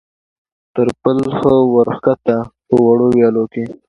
تر پل ښه ور کښته، په وړو ویالو کې.